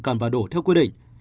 cần và đủ theo quy định